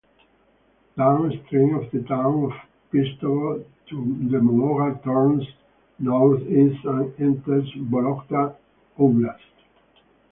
Downstream of the town of Pestovo the Mologa turns northeast and enters Vologda Oblast.